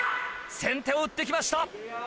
先手を打って来ました。